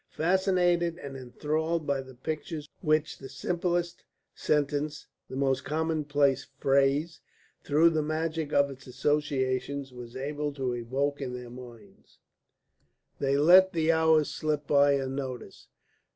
Fascinated and enthralled by the pictures which the simplest sentence, the most commonplace phrase, through the magic of its associations was able to evoke in their minds, they let the hours slip by unnoticed.